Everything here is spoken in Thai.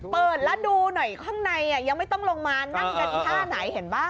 เปิดแล้วดูหน่อยข้างในยังไม่ต้องลงมานั่งกันอีกท่าไหนเห็นป่ะ